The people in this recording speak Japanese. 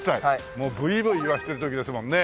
もうブイブイいわせてる時ですもんね。